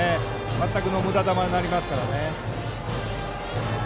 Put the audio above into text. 全くのむだ球になりますね。